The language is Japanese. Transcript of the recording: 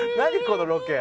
このロケ！